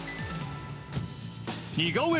似顔絵